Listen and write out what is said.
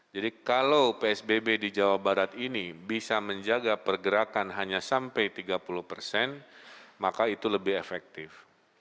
jadi kalau psbb di jawa barat ini bisa menjaga pergerakan hanya sampai tiga puluh persen maka itu lebih efektif